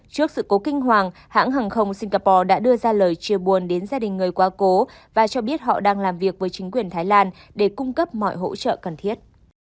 trước sự cố kinh hoàng hãng hàng không singapore đã đưa ra lời chia buồn đến gia đình người quá cố và cho biết họ đang làm việc với chính quyền thái lan để cung cấp mọi hỗ trợ cần thiết